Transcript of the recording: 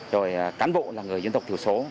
rồi cán bộ là người dân tộc thiểu số